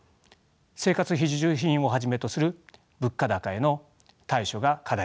生活必需品をはじめとする物価高への対処が課題です。